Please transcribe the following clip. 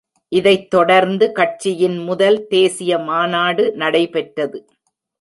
இதைத் தொடர்ந்து கட்சியின் முதல் தேசிய மாநாடு நடைபெற்றது.